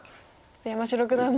山城九段も。